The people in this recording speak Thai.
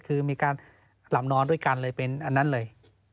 คือมีการหลับนอนด้วยกันเลยเป็นอันนั้นเลย